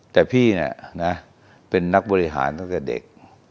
แต่พี่เนี่ยนะเป็นนักบริหารตั้งแต่เด็ก